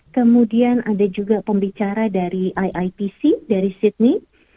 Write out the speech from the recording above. kemudian ada juga pembicara dari iitc dari sydney